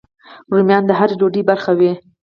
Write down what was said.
رومیان د هر ډوډۍ برخه وي